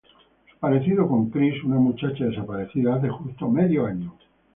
Su parecido con Cris, una muchacha desaparecida hace justo medio año.